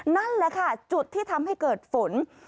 นั่นแหละค่ะจุดที่ทำให้เกิดฝน